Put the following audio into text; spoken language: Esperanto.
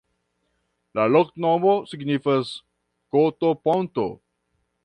La loknomo signifas: koto-ponto.